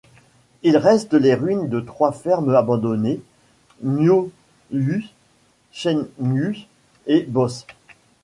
Il reste les ruines de trois fermes abandonnées, Miðhús, Sveinhús et Bosses.